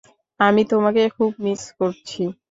আমি তোমাকে খুব মিস করছি।